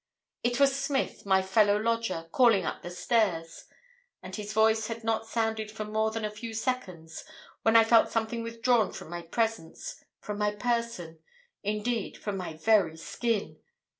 It was Smith, my fellow lodger, calling up the stairs; and his voice had not sounded for more than a few seconds, when I felt something withdrawn from my presence, from my person, indeed from my very skin.